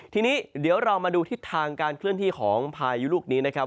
ทีนี้เดี๋ยวเรามาดูทิศทางการเคลื่อนที่ของพายุลูกนี้นะครับ